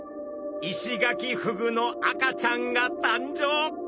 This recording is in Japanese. イシガキフグの赤ちゃんが誕生！